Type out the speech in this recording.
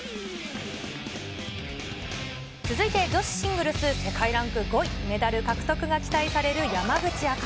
続いて女子シングルス世界ランク５位、メダル獲得が期待される山口茜。